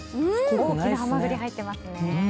大きなハマグリ入ってますね。